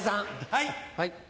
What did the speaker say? はい。